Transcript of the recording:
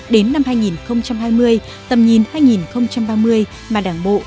đến năm hai nghìn hai mươi hai nghìn ba mươi mà đảng bộ